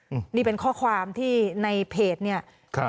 อืมนี่เป็นข้อความที่ในเพจเนี่ยครับ